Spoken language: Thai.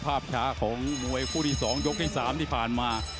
กลับมาโดนเหลี่ยมหักเอง